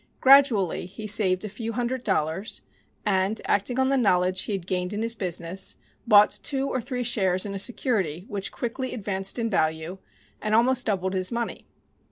Gradually he saved a few hundred dollars and, acting on the knowledge he had gained in his business, bought two or three shares in a security which quickly advanced in value and almost doubled his money.